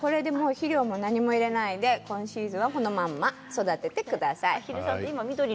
肥料も何も入れないで今シーズンはこのまま育ててください。